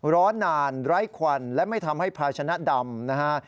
ร้อนนานไร้ควันและไม่ทำให้ภาชนะดำนะฮะ